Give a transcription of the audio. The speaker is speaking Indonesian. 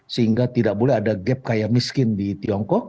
sehingga tidak boleh ada gap kayak miskin di tiongkok